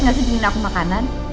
ngasih jengin aku makanan